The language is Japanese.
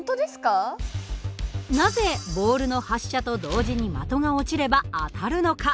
なぜボールの発射と同時に的が落ちれば当たるのか？